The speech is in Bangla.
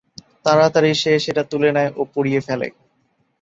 তাড়াতাড়ি সে সেটা তুলে নেয় ও পুড়িয়ে ফেলে।